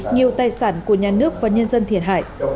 nhiều tài sản của nhà nước và nhân dân thiệt hại